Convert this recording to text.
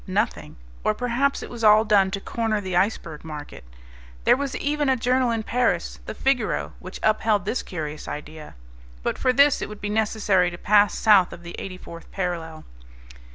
Nothing; or perhaps it was all done to corner the iceberg market. There was even a journal in Paris, the Figaro, which upheld this curious idea. But for this it would be necessary to pass south of the eighty fourth parallel.